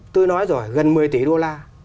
tôi nói rồi gần một mươi tỷ đô la